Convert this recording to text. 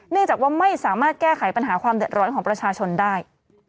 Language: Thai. จากว่าไม่สามารถแก้ไขปัญหาความเดือดร้อนของประชาชนได้